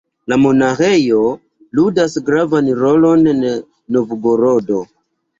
La monaĥejo ludas gravan rolon en Novgorodo.